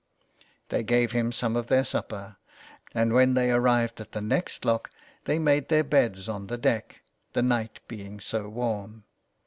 They gave him some of their supper, and when they arrived at the next lock they made their beds on the deck, the night being so warm.